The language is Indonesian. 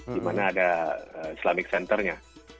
di mana ada islamic centernya